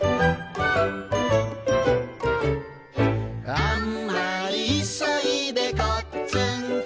「あんまりいそいでこっつんこ」